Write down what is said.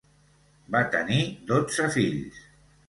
Va tenir dotze fills.